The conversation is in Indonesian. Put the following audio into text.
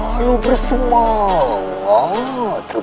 mau berdua suamiku